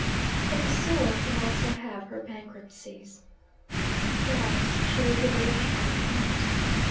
But the soul can also have her bankruptcies. Perhaps she will be the richer in the end.